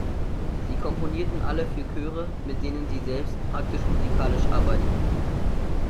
Sie komponierten alle für Chöre, mit denen sie selbst praktisch-musikalisch arbeiteten.